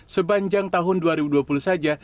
sepanjang tahun dua ribu dua puluh saja